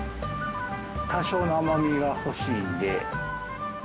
多少の甘みが欲しいんで。